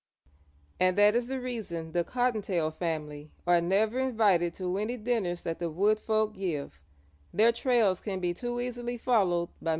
And that is the reason the Cottontail family are never invited to any dinners that the wood folk give their trails can be too easily followed by Mr. Dog.